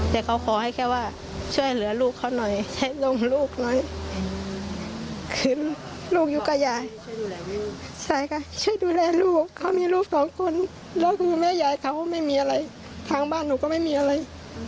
แต่เขาขอให้แค่ว่าช่วยเหลือลูกเขาหน่อยช่วยดูแลลูกช่วยดูแลลูกเขามีลูกสองคนแล้วคือแม่ยายเขาไม่มีอะไรทางบ้านหนูก็ไม่มีอะไร